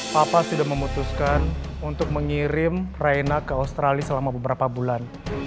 papa sudah memutuskan untuk mengirim raina ke australia selama beberapa bulan